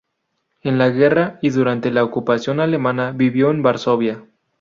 En la guerra y durante la ocupación alemana vivió en Varsovia.